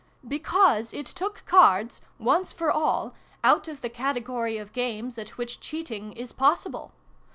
" Because it took Cards, once for all, out of the category of games at which cheating is pos sible.